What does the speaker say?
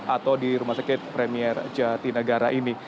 atau di rumah sakit premier jatinegara ini